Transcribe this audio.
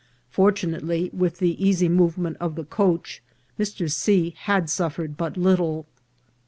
Fortunately, with the easy movement of the coach, Mr. C. had suffered but little.